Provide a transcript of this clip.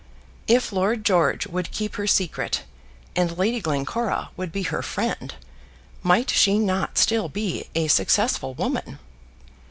If Lord George would keep her secret, and Lady Glencora would be her friend, might she not still be a successful woman?